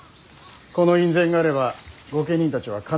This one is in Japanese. この院宣があれば御家人たちは必ず従う。